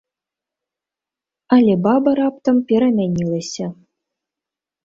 Але баба раптам перамянілася.